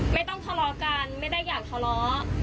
ไม่ต้องทะเลาะกันไม่ได้อยากทะเลาะ